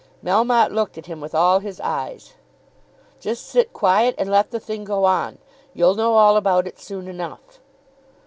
Melmotte looked at him with all his eyes. "Just sit quiet and let the thing go on. You'll know all about it soon enough."